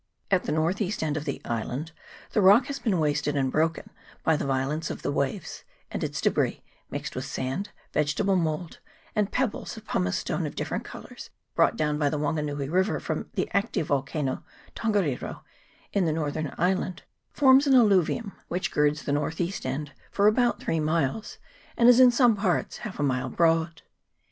At the north east end of the island the rock has been wasted and broken by the violence of the waves ; and its debris, mixed with sand, vegetable mould, and peb bles of pumice stone, of different colours, brought down by the Wanganui river from the active vol cano Tongariro, in the northern island, forms an alluvium which girds the north east end for about three miles, and is in some parts half a mile broad.